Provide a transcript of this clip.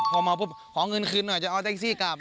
พอมาพบขอเงินขึ้นหน่อยจะเอาแต๊กซี่กลับ